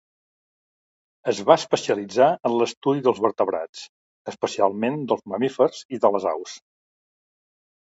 Es va especialitzar en l'estudi dels vertebrats, especialment dels mamífers i de les aus.